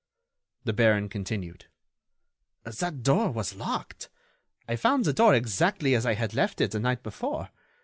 The baron continued: "That door was locked. I found the door exactly as I had left it the night before.